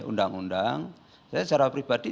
undang undang saya secara pribadi